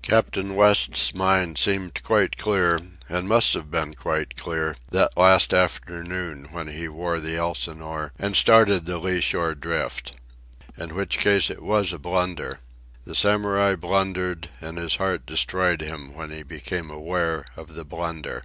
Captain West's mind seemed quite clear, and must have been quite clear, that last afternoon when he wore the Elsinore and started the lee shore drift. In which case it was a blunder. The Samurai blundered, and his heart destroyed him when he became aware of the blunder.